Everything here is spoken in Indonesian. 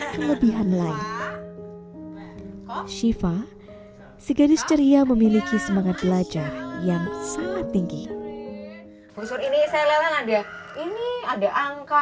kelebihan lain siva seganis ceria memiliki semangat belajar yang sangat tinggi ini ada angka